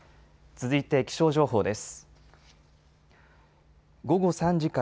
続いて気象情報です。